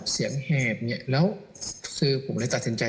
เสียงแหบแล้วคือผมเลยตัดสินใจ